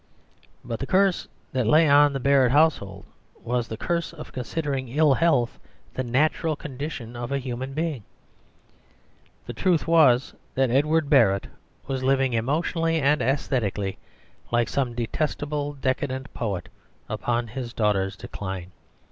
But the curse that lay on the Barrett household was the curse of considering ill health the natural condition of a human being. The truth was that Edward Barrett was living emotionally and æsthetically, like some detestable decadent poet, upon his daughter's decline.